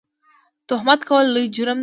تهمت کول لوی جرم دی